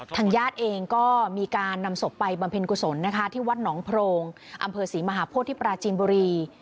ทางญาติเองก็มีการนำสกไปบัมเภณกุศลที่วัดหนองโพรงอำเวอศรีมหาโภษที่ปลาจีนบุรี